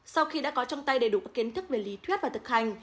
sau khi đã có trong tay đầy đủ các kiến thức về lý thuyết và thực hành